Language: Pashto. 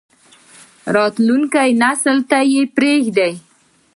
راتلونکی نسل ته یې پریږدئ